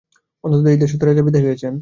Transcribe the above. অন্তত এই দেশ হইতে রাজা বিদায় হইয়াছেন।